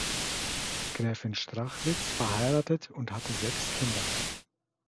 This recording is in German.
Gräfin Strachwitz verheiratet und hatte sechs Kinder.